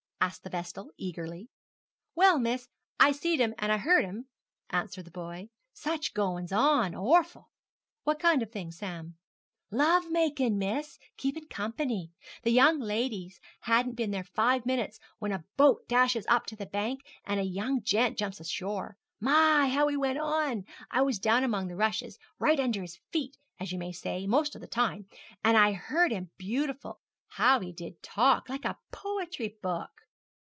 asked the vestal, eagerly. 'Well, miss, I seed 'em and I heerd 'em,' answered the boy; 'such goin's on. Orful!' 'What kind of thing, Sam?' 'Love makin,' miss; keepin' company. The young ladies hadn't been there five minutes when a boat dashes up to the bank, and a young gent jumps ashore. My, how he went on! I was down among the rushes, right under his feet, as you may say, most of the time, and I heerd him beautiful. How he did talk; like a poetry book!'